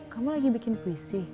kamu lagi bikin puisi